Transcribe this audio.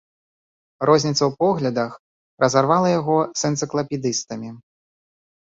Розніца ў поглядах, разарвала яго з энцыклапедыстамі.